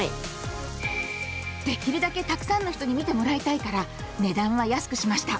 できるだけたくさんの人に見てもらいたいから値段は安くしました。